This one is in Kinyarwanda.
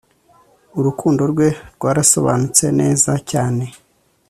urukundo rwe rwarasobanutse neza cyane